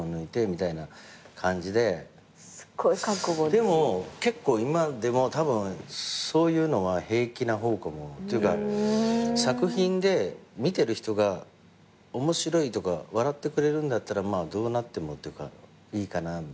でも結構今でもたぶんそういうのは平気な方かも。っていうか作品で見てる人が面白いとか笑ってくれるならどうなってもいいかなみたいな。